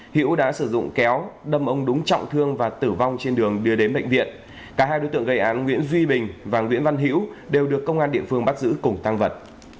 hiễu đã sử dụng kéo đâm ông đúng trọng thương và tử vong trên đường đưa đến bệnh viện cả hai đối tượng gây án nguyễn duy bình và nguyễn văn hiễu đều được công an địa phương bắt giữ cùng tăng vật